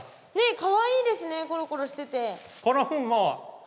かわいいですねコロコロしてて。